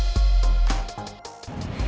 bukan karena itu lid